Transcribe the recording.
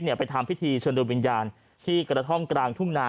นี่ไปทำพิธีชนดุลวิญญาณที่กระท่อมกลางทุ่งนาน